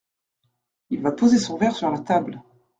Il va poser son verre sur la table.